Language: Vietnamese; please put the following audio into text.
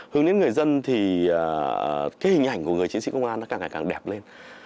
hướng đến người dân thì cái hình ảnh của người chính sĩ công an nó càng càng đẹp lên